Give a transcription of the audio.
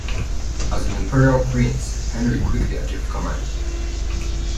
As an imperial prince, Henry quickly achieved command.